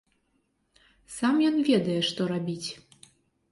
Сам ён ведае, што рабіць.